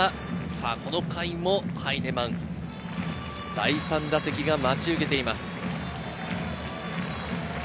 この回もハイネマン、第３打席が待ち受けています。